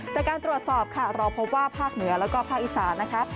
จากการตรวจสอบค่ะเราพบว่าภาคเหนือแล้วก็ภาคอีสานนะคะ